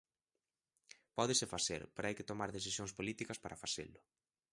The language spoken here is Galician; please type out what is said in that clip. Pódese facer, pero hai que tomar decisións políticas para facelo.